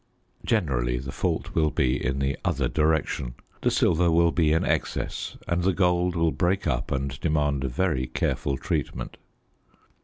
Generally the fault will be in the other direction; the silver will be in excess and the gold will break up and demand very careful treatment.